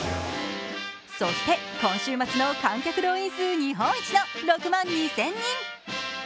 そして、今週末の観客動員数日本一の６万２０００人。